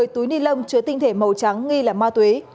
một mươi túi ni lông chứa tinh thể màu trắng nghi là ma túy